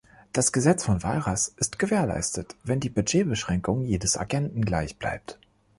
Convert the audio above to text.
Das Gesetz von Walras ist gewährleistet, wenn die Budgetbeschränkung jedes Agenten gleich bleibt.